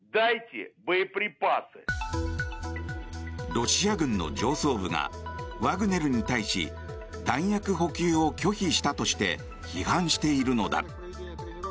ロシア軍の上層部がワグネルに対し弾薬補給を拒否したとして批判しているのだ。